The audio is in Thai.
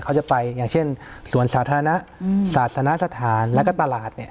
เขาจะไปอย่างเช่นสวนสาธารณะศาสนสถานแล้วก็ตลาดเนี่ย